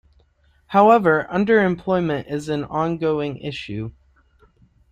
However, underemployment is an ongoing issue.